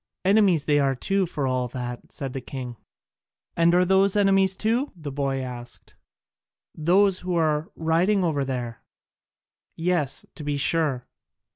"Enemies they are too for all that," said the king. "And are those enemies too?" the boy asked, "those who are riding over there?" "Yes, to be sure."